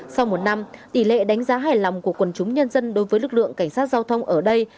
sau một năm tỷ lệ đánh giá hài lòng của quần chúng nhân dân đối với lực lượng cảnh sát giao thông ở đây